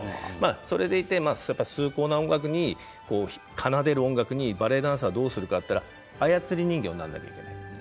それで崇高な音楽に奏でる音楽にバレエダンサーはどうするかというと操り人形にならなくてはいけないです。